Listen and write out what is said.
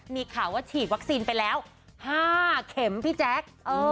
มีข่าวว่าฉีดวัคซีนไปแล้ว๕เข็มพี่แจ๊ค